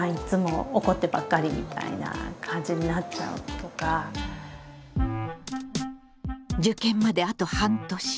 今では受験まであと半年。